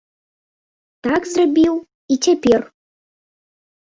Так зрабіў і цяпер.